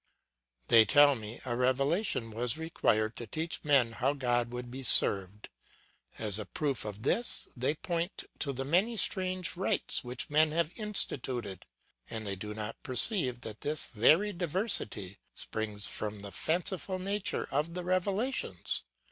"They tell me a revelation was required to teach men how God would be served; as a proof of this they point to the many strange rites which men have instituted, and they do not perceive that this very diversity springs from the fanciful nature of the revelations.